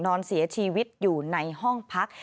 นอนเสียชีวิตอยู่ในห้องพัก